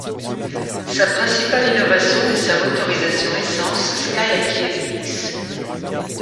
Sa principale innovation est sa motorisation essence SkyActiv-X.